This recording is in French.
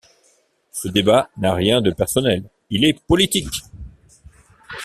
Ce débat n’a rien de personnel, il est politique.